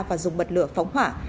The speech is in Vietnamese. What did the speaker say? và dùng mật lửa phóng hỏa